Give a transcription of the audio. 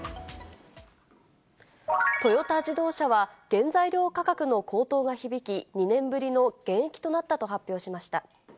トヨタ自動車は、原材料価格の高騰が響き、２年ぶりの減益となったと発表しました。